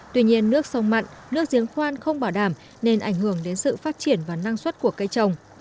tuy nhiên nước sông mặn nước giếng khoan không bảo đảm nên ảnh hưởng đến sự phát triển và năng suất của cây trồng